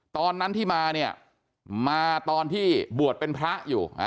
ตอนนั้นที่มาเนี่ยมาตอนที่บวชเป็นพระอยู่